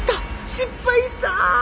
失敗した！